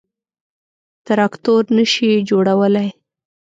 _تراکتور نه شي جوړولای.